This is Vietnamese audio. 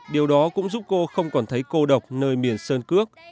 điều đó cũng giúp cô không còn thấy cô độc nơi miền sơn cước